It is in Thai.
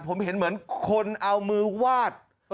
ผมเห็นเหมือนคนเอามือวาด